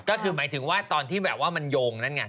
ก็คือหมายถึงว่าตอนที่แบบว่ามันโยงนั่นไง